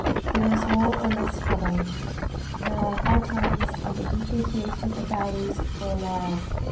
There is more or less trouble. There are hard times and a depreciation of values for a while.